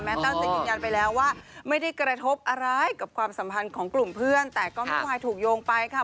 ตั้งใจยืนยันไปแล้วว่าไม่ได้กระทบอะไรกับความสัมพันธ์ของกลุ่มเพื่อนแต่ก็ไม่วายถูกโยงไปค่ะ